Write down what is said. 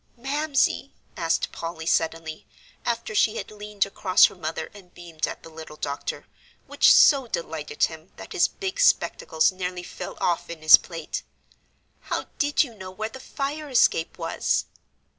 "Mamsie," asked Polly, suddenly, after she had leaned across her mother and beamed at the little doctor, which so delighted him that his big spectacles nearly fell off in his plate, "how did you know where the fire escape was?"